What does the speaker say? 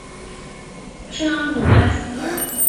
圣阿卢埃斯特尔。